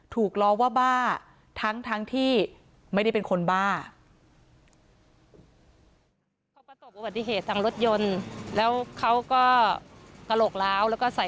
ล้อว่าบ้าทั้งที่ไม่ได้เป็นคนบ้า